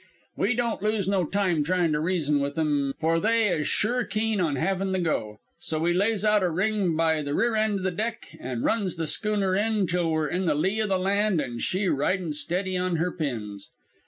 "We don't lose no time trying to reason with 'em, for they is sure keen on havin' the go. So we lays out a ring by the rear end o' the deck, an' runs the schooner in till we're in the lee o' the land, an' she ridin' steady on her pins.